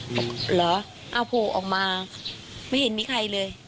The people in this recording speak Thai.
เหรอเอาโผล่ออกมาไม่เห็นมีใครเลย